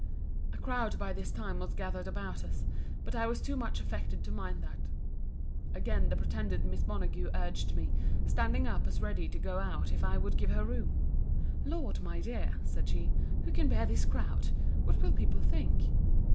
A crowd by this time was gathered about us; but I was too much affected to mind that. Again the pretended Miss Montague urged me; standing up as ready to go out if I would give her room.—Lord, my dear, said she, who can bear this crowd?—What will people think?